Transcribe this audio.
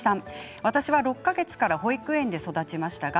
私は６か月から保育園で育ちましたか。